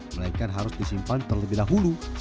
melainkan harus disimpan terlebih dahulu setelah dikemas